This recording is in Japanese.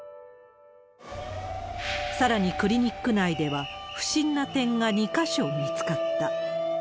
さらにクリニック内では、不審な点が２か所見つかった。